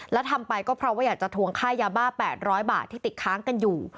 และทำไปก็เพราะว่าอยากจะทวงค่ายาบ้า๘๐๐บาทที่ติดค้างกันอยู่